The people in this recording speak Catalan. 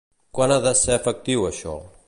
Quan ha de ser efectiu això?